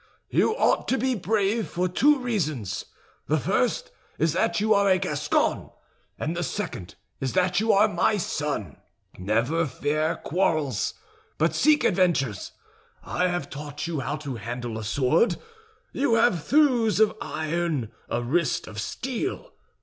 You ought to be brave for two reasons: the first is that you are a Gascon, and the second is that you are my son. Never fear quarrels, but seek adventures. I have taught you how to handle a sword; you have thews of iron, a wrist of steel.